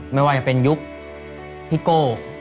ไม่ว่าจะเป็นยุคพี่โก้